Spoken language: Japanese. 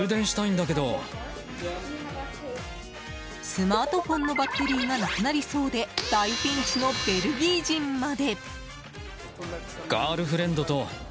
スマートフォンのバッテリーがなくなりそうで大ピンチのベルギー人まで。